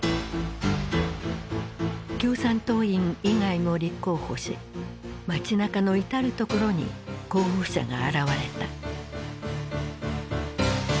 共産党員以外も立候補し街なかの至る所に候補者が現れた。